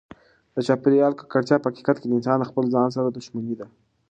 د چاپیریال ککړتیا په حقیقت کې د انسان د خپل ځان سره دښمني ده.